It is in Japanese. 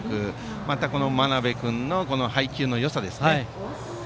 また、真鍋君の配球のよさですね。